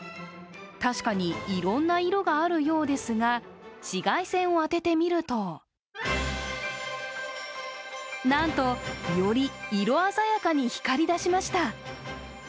確かにいろんな色があるようですが、紫外線を当ててみるとなんと、より色鮮やかに光りだしました。